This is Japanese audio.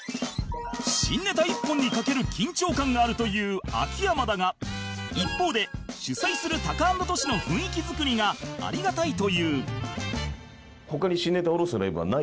新ネタ１本にかける緊張感があるという秋山だが一方で主催するタカアンドトシの雰囲気作りがありがたいという